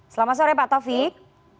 selamat sore pak taufik